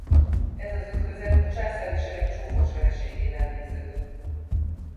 Ez az ütközet a császári sereg csúfos vereségével végződött.